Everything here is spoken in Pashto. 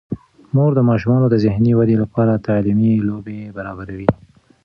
مور د ماشومانو د ذهني ودې لپاره تعلیمي لوبې برابروي.